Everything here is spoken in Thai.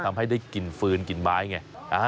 ทำให้ได้กลิ่นฟืนกลิ่นไม้ไง